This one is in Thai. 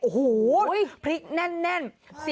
โอ้โหพริกแน่น